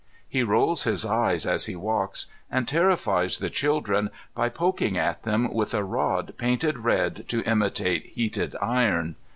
He rolls his eyes as he walks, and terrifies the children by poking at them with a rod painted red to imitate heated iron.